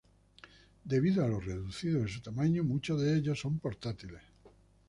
Debido a lo reducido de su tamaño, muchos de ellos son portátiles.